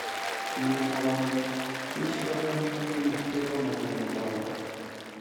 umunyamabanga w’Ishyirahamwe ry’umupira w’amaguru mu Rwanda